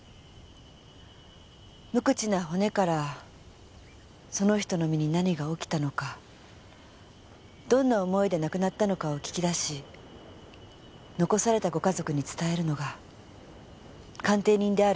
無口な骨からその人の身に何が起きたのかどんな思いで亡くなったのかを聞き出し残されたご家族に伝えるのが鑑定人である私の役目です。